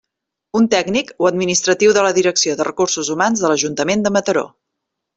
Un tècnic o administratiu de la Direcció de Recursos Humans de l'Ajuntament de Mataró.